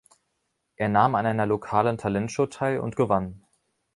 Er nahm an einer lokalen Talentshow teil und gewann.